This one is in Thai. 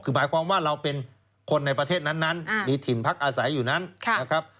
คือหมายความว่าเราเป็นคนในประเทศนั้นมีถิ่นพักอาศัยอยู่นั้นนะครับ